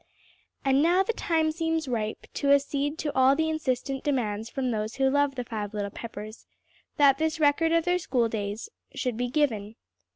And now the time seems ripe to accede to all the insistent demands from those who love the Five Little Peppers, that this record of their school days should be given.